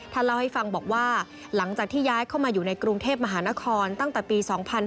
เล่าให้ฟังบอกว่าหลังจากที่ย้ายเข้ามาอยู่ในกรุงเทพมหานครตั้งแต่ปี๒๕๕๙